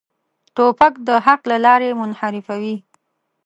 توپک د حق له لارې منحرفوي.